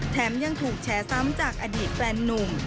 แถมยังถูกแฉซ้ำจากอดีตแฟนนุ่ม